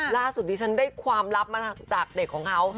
ล่าสุดนี้ฉันได้ความลับมาจากเด็กของเขา